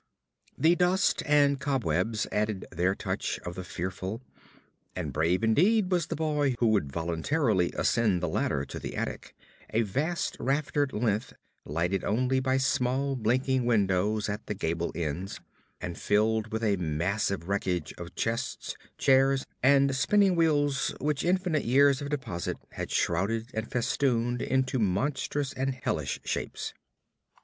The dust and cobwebs added their touch of the fearful; and brave indeed was the boy who would voluntarily ascend the ladder to the attic, a vast raftered length lighted only by small blinking windows in the gable ends, and filled with a massed wreckage of chests, chairs, and spinning wheels which infinite years of deposit had shrouded and festooned into monstrous and hellish shapes.